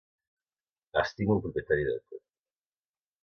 Estimo el propietari de tot.